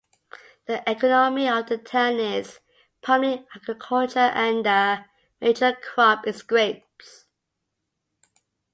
The economy of the town is primarily agriculture, and the major crop is grapes.